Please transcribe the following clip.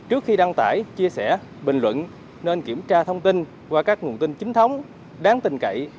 trước khi đăng tải chia sẻ bình luận nên kiểm tra thông tin qua các nguồn tin chính thống đáng tình cậy